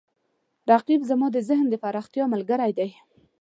رقیب زما د ذهن د پراختیا ملګری دی